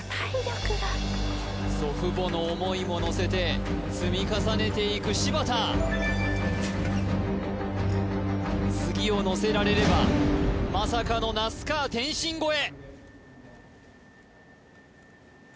祖父母の思いものせて積み重ねていく柴田次をのせられればまさかの那須川天心超え